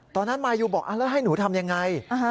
ตอนนั้นมายูบอกถ้าให้หนูทำอย่างไร